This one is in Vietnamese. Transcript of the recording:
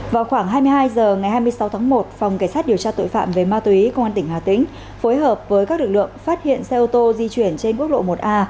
vào khoảng hai mươi hai h ngày hai mươi sáu tháng một phòng cảnh sát điều tra tội phạm về ma túy công an tỉnh hà tĩnh phối hợp với các lực lượng phát hiện xe ô tô di chuyển trên quốc lộ một a